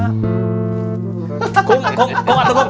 kuk kuk kuk kuk kuk kuk kuk